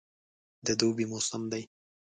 د دوبي موسم دی.